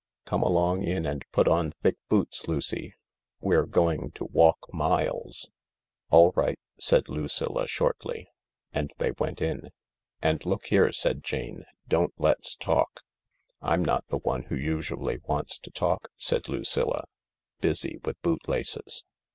Come along in and put on thick boots, Lucy. We're going to walk miles." 34 THE LARK 85 " All right/' said Lucilla shortly. And they went in. "And look here/' said Jane, "don't let's talk." " I'm not the one who usually wants to talk/' said Lucilla, busy with bootlaces.